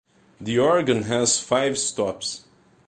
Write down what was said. The organ has five stops.